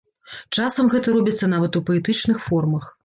Часам гэта робіцца нават у паэтычных формах.